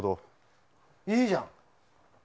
いいじゃん。